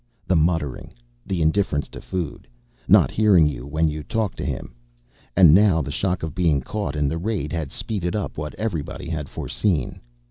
The muttering, the indifference to food, not hearing you when you talked to him. And now the shock of being caught in the raid had speeded up what everybody had foreseen.